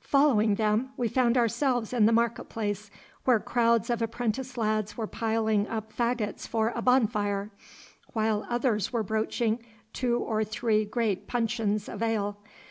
Following them we found ourselves in the market place, where crowds of apprentice lads were piling up faggots for a bonfire, while others were broaching two or three great puncheons of ale.